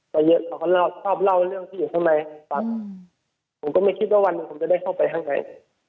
ก็เยอะเขาก็ชอบเล่าเรื่องที่อยู่ข้างในครับผมก็ไม่คิดว่าวันหนึ่งผมจะได้เข้าไปข้างใน